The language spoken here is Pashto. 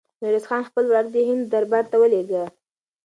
میرویس خان خپل وراره د هند دربار ته ولېږه.